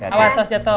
awas awas jatuh